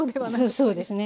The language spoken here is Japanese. そうですね。